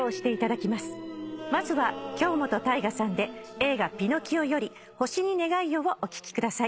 まずは京本大我さんで映画『ピノキオ』より『星に願いを』をお聴きください。